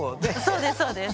そうですそうです。